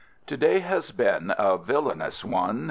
To day has been a villainous one.